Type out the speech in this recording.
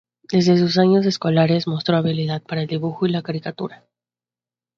Desde sus años escolares mostró habilidad para el dibujo y la caricatura.